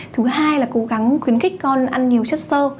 thứ hai là cố gắng khuyến khích con ăn nhiều chất sơ